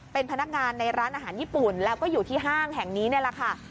เป็นพนักงานในร้านอาหารญี่ปุ่นแล้วก็อยู่ที่ห้างแห่งนี้นี่แหละค่ะ